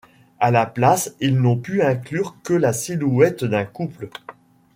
À la place, ils n'ont pu inclure que la silhouette d'un couple.